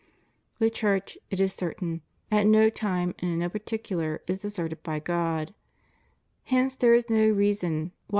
The Church, it is certain, at no time and in no particu lar is deserted by God; hence there is no reason why she ' Reg.